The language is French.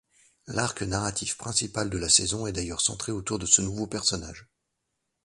L'arc narratif principal de la saison est d'ailleurs centré autour de ce nouveau personnage.